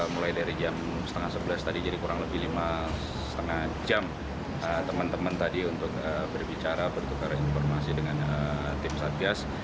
mulai dari jam setengah sebelas tadi jadi kurang lebih lima lima jam teman teman tadi untuk berbicara bertukar informasi dengan tim satgas